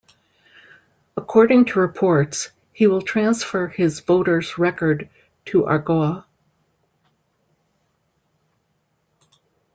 According to reports, he will transfer his voter's record to Argao.